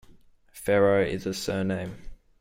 Farrow is a surname.